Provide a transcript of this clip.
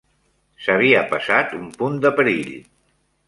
S'havia passat un punt de perill.